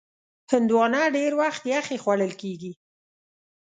هندوانه ډېر وخت یخې خوړل کېږي.